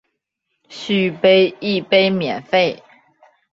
续杯一杯免费